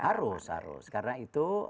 harus harus karena itu